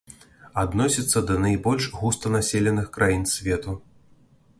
Адносіцца да найбольш густанаселеных краін свету.